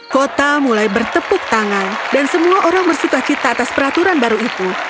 kota mulai bertepuk tangan dan semua orang bersuka cita atas peraturan baru itu